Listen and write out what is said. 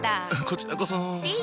こちらこそ。